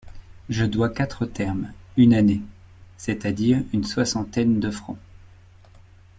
Je dois quatre termes, une année! c’est-à-dire une soixantaine de francs.